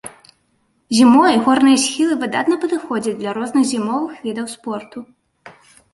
Зімой горныя схілы выдатна падыходзяць для розных зімовых відаў спорту.